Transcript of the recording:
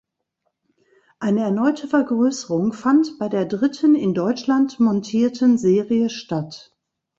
Eine erneute Vergrößerung fand bei der dritten in Deutschland montierten Serie statt.